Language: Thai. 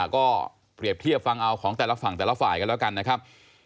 ก็เปรียบเทียบฟังเอาของแต่ละฝั่งแต่ละฝ่ายกันแล้วกันนะครับ